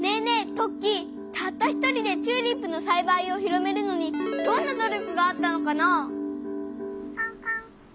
トッキーたった１人でチューリップのさいばいを広めるのにどんな努力があったのかな？